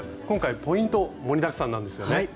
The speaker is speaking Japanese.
今回ポイント盛りだくさんなんですよね。